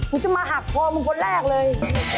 จะมาหักคอมึงคนแรกเลย